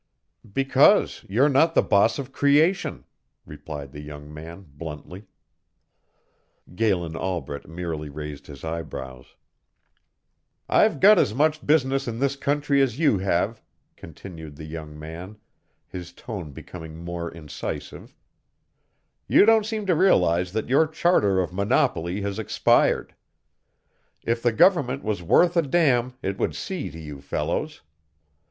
"Because you're not the boss of creation," replied the young man, bluntly. Galen Albret merely raised his eyebrows. [Illustration: THE ARRIVAL OF THE FREE TRADER. Scene from the play.] "I've got as much business in this country as you have," continued the young man, his tone becoming more incisive. "You don't seem to realize that your charter of monopoly has expired. If the government was worth a damn it would see to you fellows.